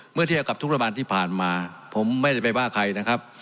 เมื่อเทียบกับทุกระบันที่ผ่านมาผมไม่ได้ไปว่าใครนะครับ